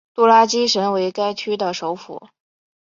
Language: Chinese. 杜拉基什为该区的首府。